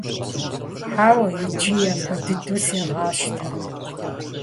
– Хьэуэ, иджы япэ дыдэу сегъащтэ.